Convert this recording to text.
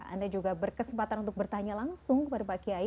anda juga berkesempatan untuk bertanya langsung kepada pak kiai